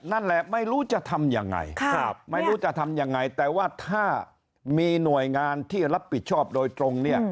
นั่นแหละไม่รู้จะทำยังไงแต่ว่าถ้ามีหน่วยงานที่จะรับผิดชอบโดยตรง